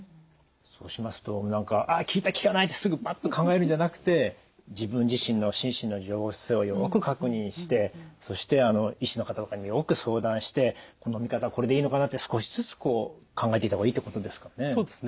そうしますと効いた効かないってすぐパッと考えるんじゃなくて自分自身の心身の様子をよく確認してそして医師の方とかによく相談してこの見方はこれでいいのかなって少しずつこう考えていった方がいいってことですかね？